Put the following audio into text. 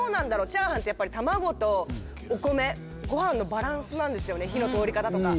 チャーハンってやっぱり卵とお米ご飯のバランスなんですよね火の通り方とか。